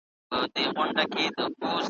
چي یوه خدای ته زر کلونه پر سجده وو کلی ,